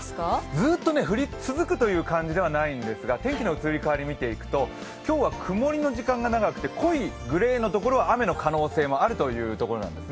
ずっと降り続くという感じではないんですが天気の移り変わりを見ていくと今日は曇りの時間が長くて濃いグレーの所は雨の可能性もあるということです。